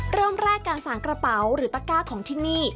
เริ่มแรกการสั่งกระเป๋าหรือตะก้าของที่นี่